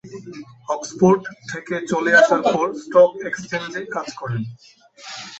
Oxford থেকে চলে আসার পর স্টক এক্সচেঞ্জে কাজ করেন।